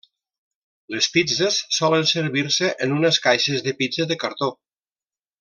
Les pizzes solen servir-se en unes caixes de pizza de Cartó.